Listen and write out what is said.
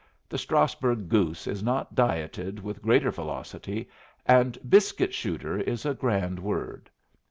The Strasburg goose is not dieted with greater velocity, and "biscuit shooter" is a grand word.